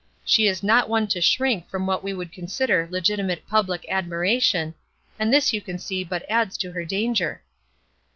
She is not one to shrink from what she would consider legitimate public admiration, and this you can see but adds to her danger."